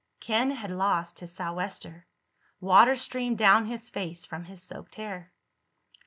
Ken had lost his sou'wester. Water streamed down his face from his soaked hair.